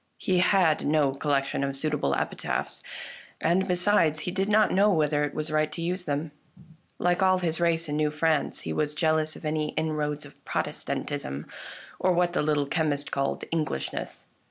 He had no collection of suitable epi taphs, and, besides, he did not know whether it was right to use them. Like all his race in New France he was jealous of any inroads of Protestantism, or what the Little Chemist called " Englishness."